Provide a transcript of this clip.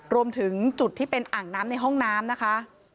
รวมถึงจุดที่เป็นอ่างน้ำในห้องน้ำนะคะ